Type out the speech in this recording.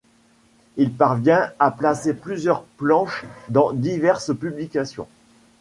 Il parvient à placer plusieurs planches dans diverses publications.